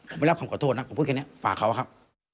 ผมไม่รับคำขอโทษนะผมพูดแค่นี้ฝากเขาครับ